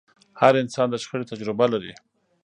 هر انسان د شخړې تجربه لري.